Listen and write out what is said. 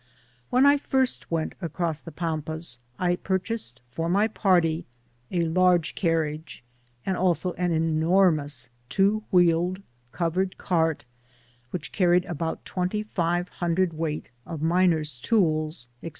When I first went across the Pampas, I pur chased for my party a large carriage, and also an enormous, two wheeled, covered cart, which Carried about twenty five hundred weight of miners' tools, &c.